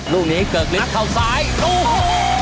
ลูกนี้เกิดนักเข้าสายโอ้โห